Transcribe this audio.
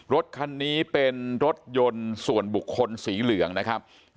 รถคันนี้เป็นรถยนต์ส่วนบุคคลสีเหลืองนะครับ